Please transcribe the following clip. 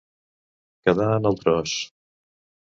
Quedar en el tros.